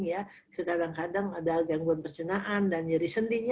dan kadang kadang ada gangguan percenaan dan nyaris sendinya